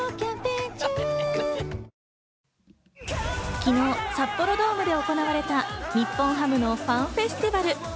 昨日、札幌ドームで行われた日本ハムのファンフェスティバル。